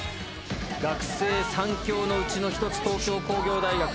学生３強のうちの１つ東京工業大学。